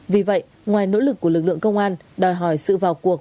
vì vậy ngoài nỗ lực của lực lượng công an đòi hỏi sự vào cuộc